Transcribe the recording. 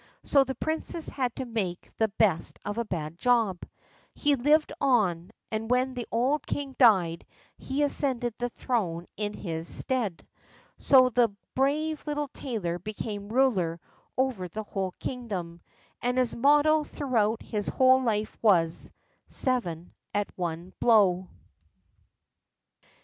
So the princess had to make the best of a bad job. He lived on, and when the old king died he ascended the throne in his stead. So the brave little tailor became ruler over the whole kingdom; and his motto throughout his whole life was, "Seven at one blow."